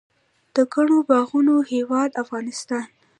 د ګڼو باغونو هیواد افغانستان.